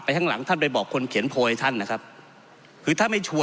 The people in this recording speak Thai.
เพราะมันก็มีเท่านี้นะเพราะมันก็มีเท่านี้นะ